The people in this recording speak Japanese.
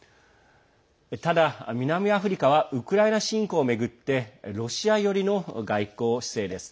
ただ、南アフリカはウクライナ侵攻を巡ってロシア寄りの外交姿勢です。